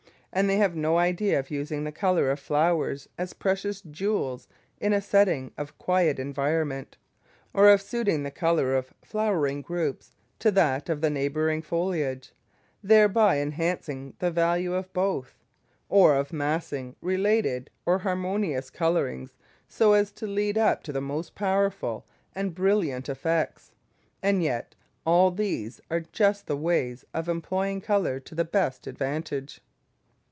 And they have no idea of using the colour of flowers as precious jewels in a setting of quiet environment, or of suiting the colour of flowering groups to that of the neighbouring foliage, thereby enhancing the value of both, or of massing related or harmonious colourings so as to lead up to the most powerful and brilliant effects; and yet all these are just the ways of employing colour to the best advantage.